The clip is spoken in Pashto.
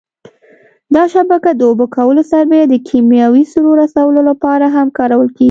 دا شبکه د اوبه کولو سربېره د کېمیاوي سرو رسولو لپاره هم کارول کېږي.